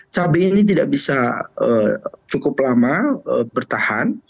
cabai ini tidak bisa cukup lama bertahan